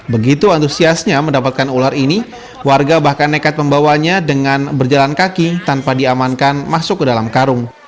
begitu antusiasnya mendapatkan ular ini warga bahkan nekat membawanya dengan berjalan kaki tanpa diamankan masuk ke dalam karung